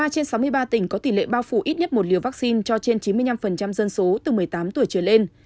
một mươi trên sáu mươi ba tỉnh có tỷ lệ bao phủ ít nhất một liều vaccine cho trên chín mươi năm dân số từ một mươi tám tuổi trở lên